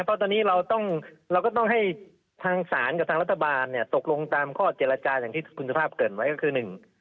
เพราะตอนนี้เราต้องเราก็ต้องให้ทางศาลกับทางรัฐบาลเนี่ยตกลงตามข้อเจรจาอย่างที่คุณสุภาพเกิดไว้ก็คือหนึ่ง